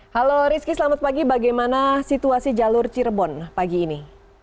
halo rizky selamat pagi bagaimana situasi jalur cirebon pagi ini